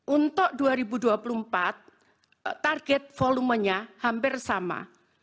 untuk dua ribu dua puluh empat target volumenya hampir sama